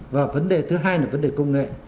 và vấn đề thứ hai là vấn đề công nghệ